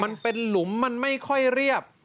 มันเป็นหลุมมันไม่ค่อยเรียบ